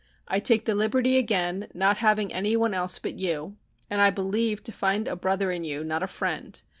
I take the liberty again not having any one else but you, and I believe to find a brother in you, not a friend.